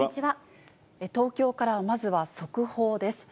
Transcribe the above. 東京からまずは速報です。